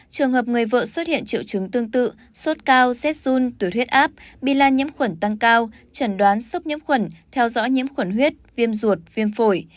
trường hợp người vợ xuất hiện triệu chứng tương tự sốt cao z zun tuyệt huyết áp bilan nhiễm khuẩn tăng cao chẳng đoán sốc nhiễm khuẩn theo dõi nhiễm khuẩn huyết viêm ruột viêm phổi